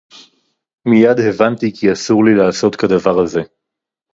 מִיָּד הֵבַנְתִּי כִּי אָסוּר לִי לַעֲשׂוֹת כַּדָּבָר הַזֶּה.